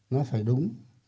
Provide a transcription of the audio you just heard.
nó phải đúng